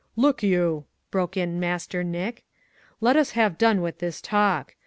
"Look you," broke in Master Nick, "let us have done with this talk?